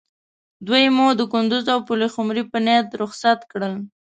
دوی مو د کندوز او پلخمري په نیت رخصت کړل.